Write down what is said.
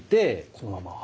このまま。